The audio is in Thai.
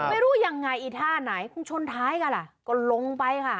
ไม่รู้ยังไงอีท่าไหนคงชนท้ายกันล่ะก็ลงไปค่ะ